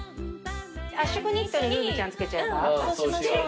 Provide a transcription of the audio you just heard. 圧縮ニットにルルベちゃん付けちゃえば？